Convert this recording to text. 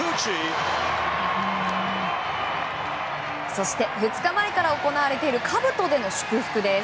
そして２日前から行われているかぶとでの祝福です。